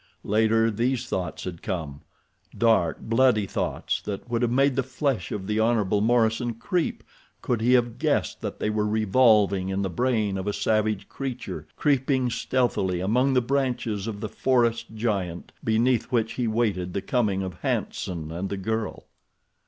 Later these thoughts had come—dark, bloody thoughts that would have made the flesh of the Hon. Morison creep could he have guessed that they were revolving in the brain of a savage creature creeping stealthily among the branches of the forest giant beneath which he waited the coming of "Hanson" and the girl.